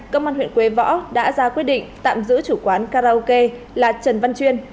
công an huyện quế võ đã ra quyết định tạm giữ chủ quán karaoke là trần văn chuyên